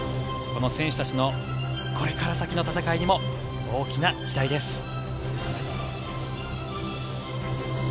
この選手たちのこれから先の戦いにも大きな期待です。